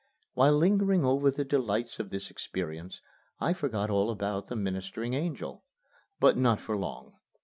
While lingering over the delights of this experience I forgot all about the ministering angel. But not for long.